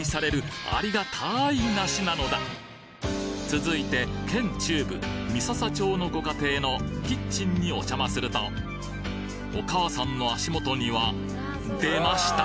続いて県中部三朝町のご家庭のキッチンにお邪魔するとお母さんの足元には出ました！